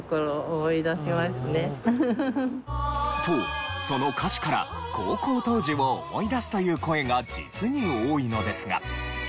とその歌詞から高校当時を思い出すという声が実に多いのですが。